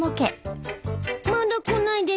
まだ来ないですか？